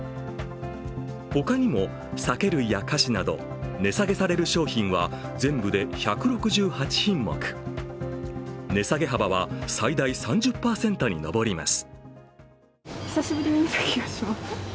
他にも酒類や菓子など値下げされる商品は全部で１６８品目値下げ幅は最大３０％に上ります。